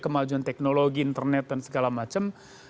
kemajuan teknologi internet dan segala macam